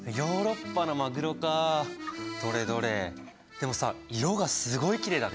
でもさ色がすごいきれいだね。